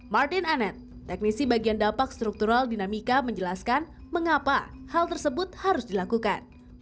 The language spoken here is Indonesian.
martin anet teknisi bagian dampak struktural dinamika menjelaskan mengapa hal tersebut harus dilakukan